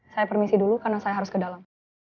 saya permisi dulu karena saya harus ke dalam